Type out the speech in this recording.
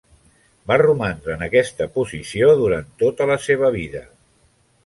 Va romandre en aquesta posició durant tota la seva vida.